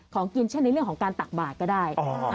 ของกินเช่นในเรื่องของการตักบาทก็ได้